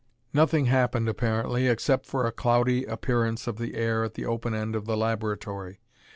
Nothing happened apparently, except for a cloudy appearance of the air at the open end of the laboratory.